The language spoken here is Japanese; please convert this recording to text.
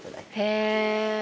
へえ。